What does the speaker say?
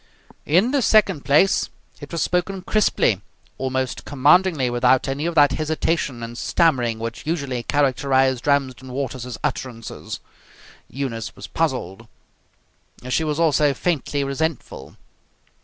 In the second place, it was spoken crisply, almost commandingly, without any of that hesitation and stammering which usually characterized Ramsden Waters's utterances. Eunice was puzzled. She was also faintly resentful.